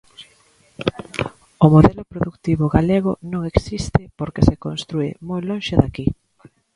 O modelo produtivo galego non existe porque se constrúe moi lonxe de aquí.